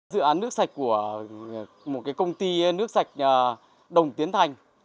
dự án nước sạch của một công ty nước sạch đồng tiến thành